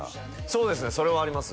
そうですねそれはあります